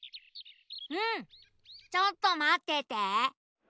うんちょっとまってて。